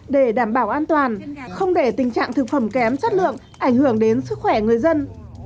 để đảm bảo an toàn không để tình trạng thực phẩm kém chất lượng ảnh hưởng đến sức khỏe người dân